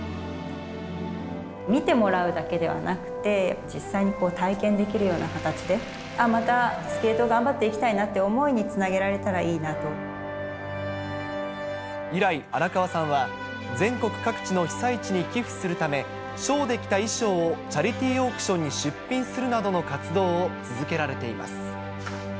見てもらうだけではなくて、実際に体験できるような形で、またスケートを頑張っていきたいなっていう想いにつなげられたら以来、荒川さんは、全国各地の被災地に寄付するため、ショーで着た衣装をチャリティーオークションに出品するなどの活動を続けられています。